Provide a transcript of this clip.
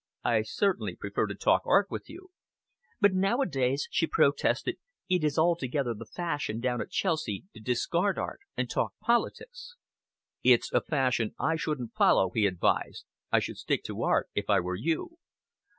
"I certainly prefer to talk art with you." "But nowadays," she protested, "it is altogether the fashion down at Chelsea to discard art and talk politics." "It's a fashion I shouldn't follow," he advised. "I should stick to art, if I were you."